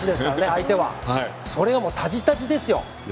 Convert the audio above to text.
相手はもうそれはもうタジタジですよ。